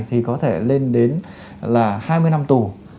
thì có thể lên đến là hai mươi năm tù